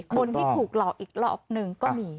คนที่ถูกหลอกอีกรอบหนึ่งก็มี